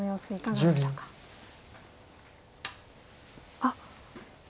あっ！